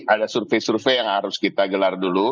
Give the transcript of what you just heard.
ada survei survei yang harus kita gelar dulu